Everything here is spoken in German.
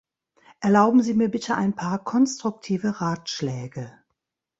Erlauben Sie mir bitte ein paar konstruktive Ratschläge.